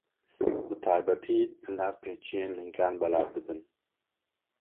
Bi taybetî li nav pêçiyên lingan belav dibin.